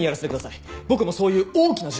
僕もそういう大きな事件を。